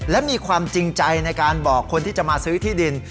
และมีความจริงใจในการบอกคนที่จะมาซื้อที่ดิน